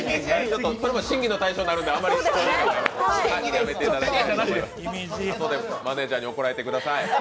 それも審議の対象になるので、やめていただきたいと思います後でマネージャーに怒られてください。